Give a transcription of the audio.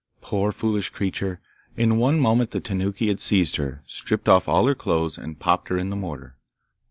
Poor foolish creature! In one moment the Tanuki had seized her, stripped off all her clothes, and popped her in the mortar.